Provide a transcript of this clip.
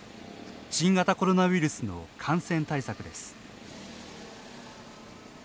新型コロナウイルスの感染対策です。